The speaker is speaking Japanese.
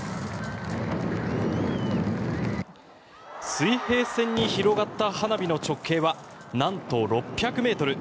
水平線に広がった花火の直径はなんと６００ｍ。